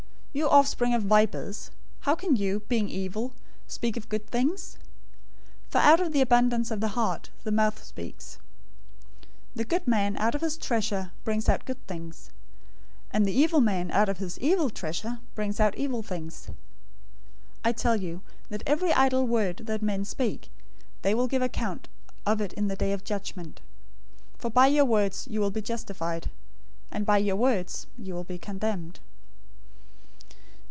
012:034 You offspring of vipers, how can you, being evil, speak good things? For out of the abundance of the heart, the mouth speaks. 012:035 The good man out of his good treasure brings out good things, and the evil man out of his evil treasure{TR adds "of the heart"} brings out evil things. 012:036 I tell you that every idle word that men speak, they will give account of it in the day of judgment. 012:037 For by your words you will be justified, and by your words you will be condemned."